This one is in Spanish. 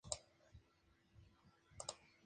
Interpreta al padre de Kate Joyce